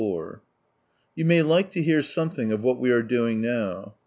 — You may like 10 hear something of what we are doing now.